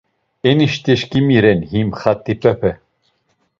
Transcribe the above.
Enişteşǩimi ren him, Xat̆ip̌epe.